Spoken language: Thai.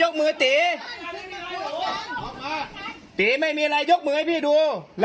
โอเคไม่มียกมือตีย